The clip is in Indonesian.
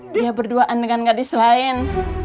dia berduaan dengan gadis lain